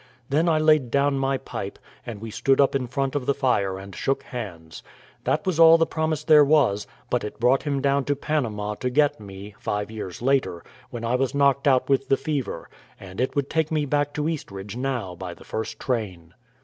Then I laid down my pipe, and we stood up in front of the fire and shook hands. That was all the promise there was; but it brought him down to Panama to get me, five years later, when I was knocked out with the fever; and it would take me back to Eastridge now by the first train.